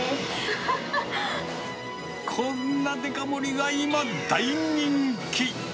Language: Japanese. こんなデカ盛りが今、大人気！